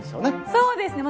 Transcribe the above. そうですね。